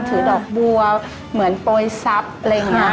ถือดอกบัวเหมือนโปรยทรัพย์อะไรอย่างนี้